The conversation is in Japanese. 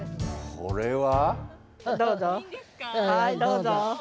これは。